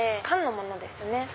缶のものですね。